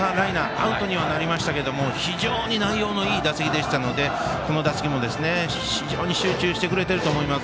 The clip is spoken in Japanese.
アウトにはなりましたけど非常に内容のいい打席でしたのでこの打席も非常に集中してくれてると思います。